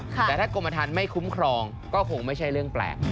แต่ถ้ากรมฐานไม่คุ้มครองก็คงไม่ใช่เรื่องแปลก